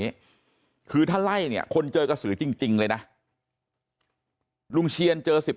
นี้คือถ้าไล่เนี่ยคนเจอกระสือจริงเลยนะลุงเชียนเจอ๑๐